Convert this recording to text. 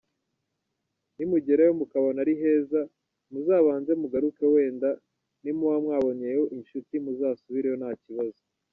Nimugerayo mukabona ari heza muzabanze mugaruke wenda nimuba mwabonyeyo inshuti muzasubireyo nta kibazo.